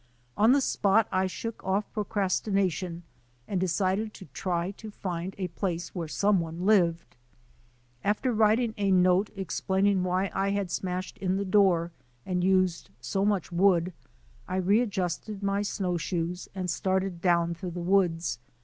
On the spot I shook off procrastination and decided to try to find a place where someone lived. After writing a note explaining why I had smashed in the door and used so much wood, I readjusted my snowshoes and started down through the woods.